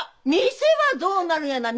店はどうなるんやな店は？